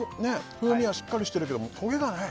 風味はしっかりしてるけどもトゲがない